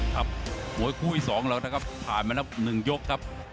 ครับมวยคู่อีกสองแล้วครับผ่านมาแล้วหนึ่งยกครับ